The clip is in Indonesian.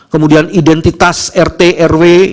kemudian identitas rt rw